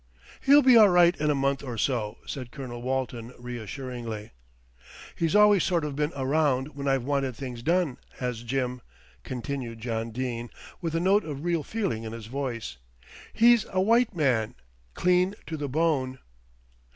"He'll be all right in a month or so," said Colonel Walton reassuringly. "He's always sort of been around when I've wanted things done, has Jim," continued John Dene with a note of real feeling in his voice. "He's a white man, clean to the bone."